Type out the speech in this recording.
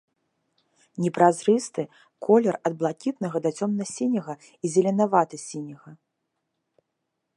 Непразрысты, колер ад блакітнага да цёмна-сіняга і зеленавата-сіняга.